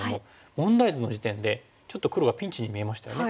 問題図の時点でちょっと黒がピンチに見えましたよね。